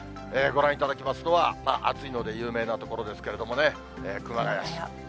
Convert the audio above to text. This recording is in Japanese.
ご覧いただきますのは、暑いので有名な所ですけれどもね、熊谷市。